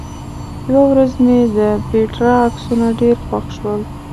یوه ورځ مې د پېټرا عکسونه ډېر خوښ شول.